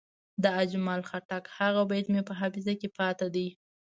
د اجمل خټک هغه بیت مې په حافظه کې پاتې دی.